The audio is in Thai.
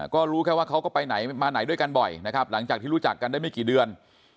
ก็รู้แค่ว่าเขาก็ไปไหนมาไหนด้วยกันบ่อยนะครับหลังจากที่รู้จักกันได้ไม่กี่เดือน